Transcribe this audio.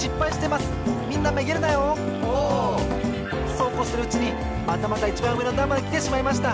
そうこうするうちにまたまたいちばんうえのだんまできてしまいました！